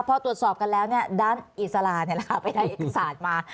พอตรวจสอบกันแล้วด้านอิสลาไปได้เอกสารมา